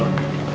gak ada masalah